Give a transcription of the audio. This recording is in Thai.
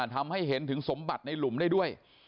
ทำให้เห็นถึงสมบัติในหลุมได้ด้วย